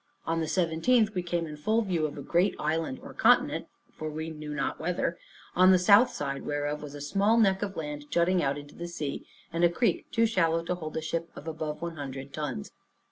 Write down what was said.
On the 17th, we came in full view of a great island, or continent (for we knew not whether); on the south side whereof was a small neck of land jutting out into the sea, and a creek too shallow to hold a ship of above one hundred tons.